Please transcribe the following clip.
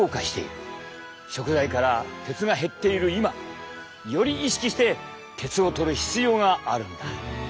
食材から鉄が減っている今より意識して鉄をとる必要があるんだ。